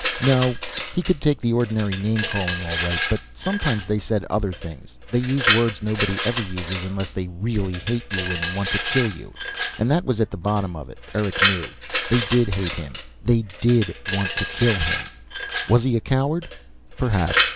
No, he could take the ordinary name calling, all right. But sometimes they said other things. They used words nobody ever uses unless they really hate you, want to kill you. And that was at the bottom of it, Eric knew. They did hate him, they did want to kill him. Was he a coward? Perhaps.